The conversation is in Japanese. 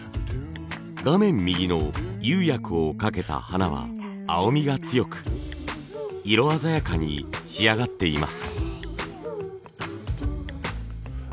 画面右の釉薬をかけた花は青みが強く色鮮やかに仕上がっています。